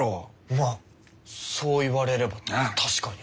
まあそう言われれば確かに。